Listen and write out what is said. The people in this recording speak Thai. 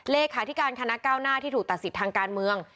เลขาธิการคณะก้าวหน้าที่ถูกตัดสิทธิ์ทางการเมือง